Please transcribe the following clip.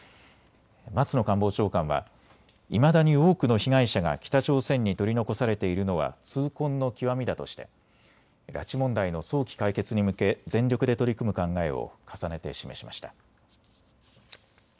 松野官房長官はいまだに多くの被害者が北朝鮮に取り残されているのは痛恨の極みだとして拉致問題の早期解決に向け全力で取り組む考えを重ねて示しました。